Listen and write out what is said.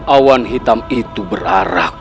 awan hitam itu berarak